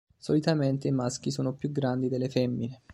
Solitamente i maschi sono più grandi delle femmine.